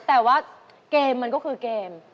แต่ว่าเกมมันก็คือเกม